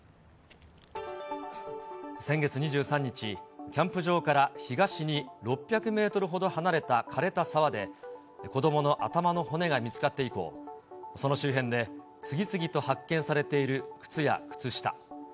先月２３日、キャンプ場から東に６００メートルほど離れたかれた沢で、子どもの頭の骨が見つかって以降、その周辺で、次々と発見されている靴や靴下。